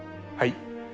はい。